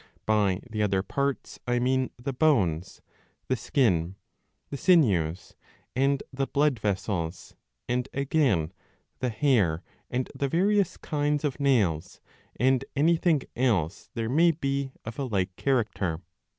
By the other parts I mean the bones, the skin, the sinews, and the blood vessels, and, again, the hair and the various kinds of nails, and anything else there may be of a like character.